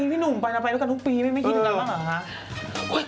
พี่หนุ่มไปแล้วกันทุกปีไม่มีที่นั่งหรอ